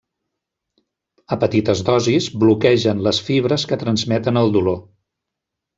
A petites dosis bloquegen les fibres que transmeten el dolor.